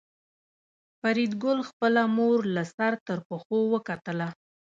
فریدګل خپله مور له سر تر پښو وکتله